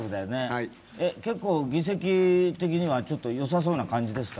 結構、議席的にはよさそうな感じですか？